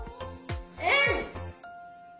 うん！